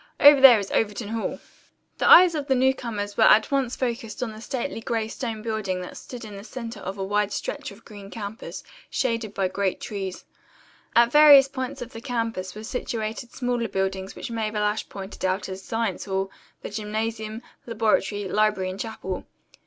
Over there is Overton Hall." The eyes of the newcomers were at once focussed on the stately gray stone building that stood in the center of a wide stretch of green campus, shaded by great trees. At various points of the campus were situated smaller buildings which Mabel Ashe pointed out as Science Hall, the gymnasium, laboratory, library and chapel.